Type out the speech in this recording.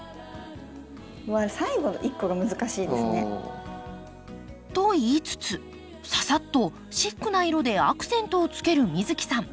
最後の一個が難しいですね。と言いつつささっとシックな色でアクセントをつける美月さん。